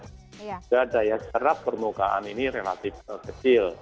sehingga daya gerak permukaan ini relatif kecil